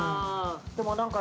でも何か」